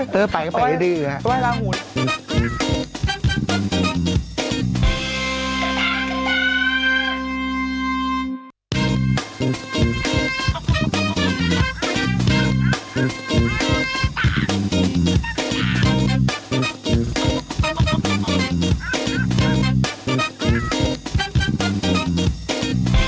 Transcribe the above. เธอไปก็ไปไม่ได้ดีอีกฮะ